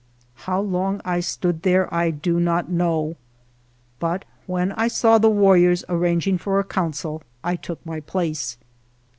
How long I stood there I do not know, but when I saw the warriors arranging for a council I took my place.